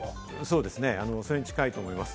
それに近いと思います。